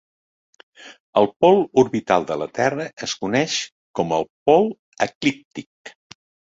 El pol orbital de la terra es coneix com el pol eclíptic.